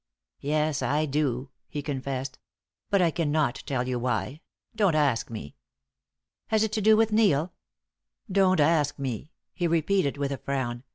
"Yes, I do," he confessed, "but I cannot tell you why. Don't ask me." "Has it to do with Neil?" "Don't ask me," he repeated, with a frown.